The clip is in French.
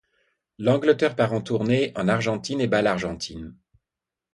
L'Angleterre part en tournée en Argentine et bat l'Argentine.